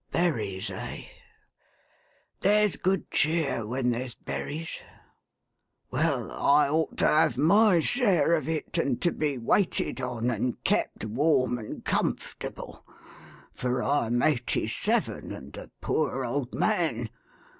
Berries, eh ? There's good cheer when there's berries. Well ; I ought to have my share of it, and to be waited on, and kept warm and comfortable; for I'm eighty seven, and a poor old man.